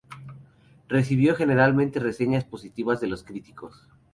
Recibió generalmente reseñas positivas de los críticos.